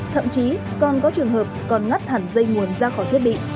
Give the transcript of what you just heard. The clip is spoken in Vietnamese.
không có trường hợp còn ngắt hẳn dây nguồn ra khỏi thiết bị